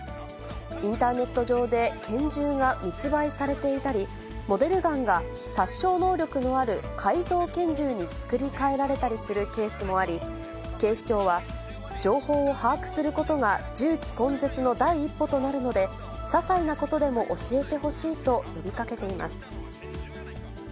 インターネット上で拳銃が密売されていたり、モデルガンが殺傷能力のある改造拳銃に作り替えられたりするケースもあり、警視庁は、情報を把握することが銃器根絶の第一歩となるので、些細なことでも教えてほしいと呼びかけています。